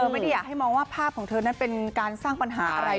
ไม่ได้อยากให้มองว่าภาพของเธอนั้นเป็นการสร้างปัญหาอะไร